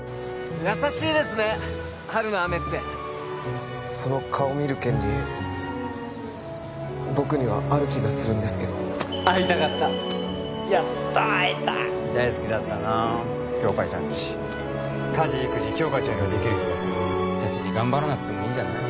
優しいですね春の雨ってその顔見る権利僕にはある気がするんですけど会いたかったやっと会えた大好きだったな杏花ちゃんち家事育児杏花ちゃんよりはできる気がする別に頑張らなくてもいいんじゃない？